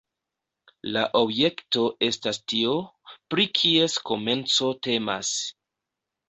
La objekto estas tio, pri kies komenco temas.